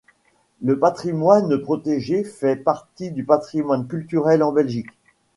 Le patrimoine protégé fait partie du patrimoine culturel en Belgique.